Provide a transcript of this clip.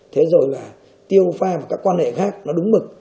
thế rồi là tiêu pha và các quan hệ khác nó đúng mực